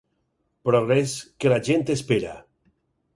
Progrés que la gent espera.